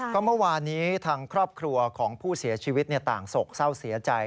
ก็เมื่อวานนี้ทางครอบครัวของผู้เสียชีวิตต่างโศกเศร้าเสียใจ